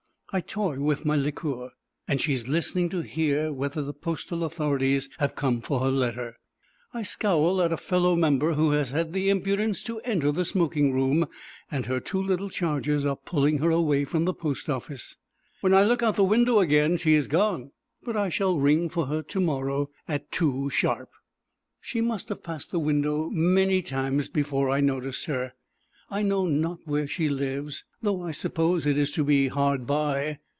I toy with my liqueur, and she is listening to hear whether the postal authorities have come for her letter. I scowl at a fellow member who has had the impudence to enter the smoking room, and her two little charges are pulling her away from the post office. When I look out at the window again she is gone, but I shall ring for her to morrow at two sharp. She must have passed the window many times before I noticed her. I know not where she lives, though I suppose it to be hard by.